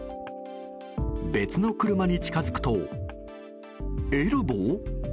別の車に近づくとエルボー？